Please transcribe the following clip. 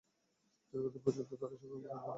দীর্ঘদিন পর্যন্ত তারা এ সংগ্রহের কাজে রত থাকে।